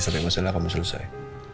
sampai masalah kamu selesai